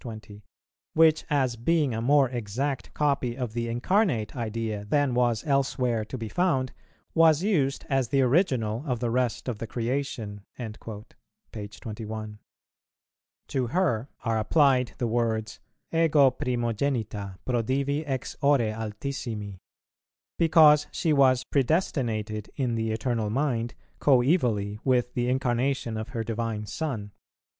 20; "which, as being a more exact copy of the Incarnate Idea than was elsewhere to be found, was used as the original of the rest of the creation," p. 21. To her are applied the words, "Ego primogenita prodivi ex ore Altissimi," because she was predestinated in the Eternal Mind coevally with the Incarnation of her Divine Son.